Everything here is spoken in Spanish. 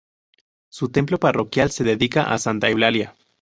Su templo parroquial se dedica a Santa eulalia.